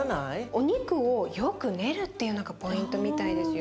お肉をよく練るっていうのがポイントみたいですよ。